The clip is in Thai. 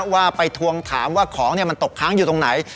ว่าไปทวงถามว่าของมันตกค้างอยู่ตรงไหน